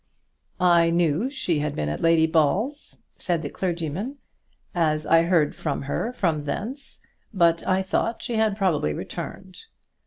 "I knew she had been at Lady Ball's," said the clergyman, "as I heard from her from thence; but I thought she had probably returned."